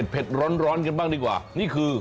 ร้อนกันบ้างดีกว่านี่คือ